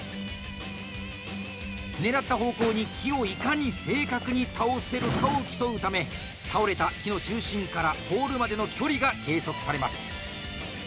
狙った方向に、木をいかに正確に倒せるかを競うため倒れた木の中心からポールまでの距離が計測されます。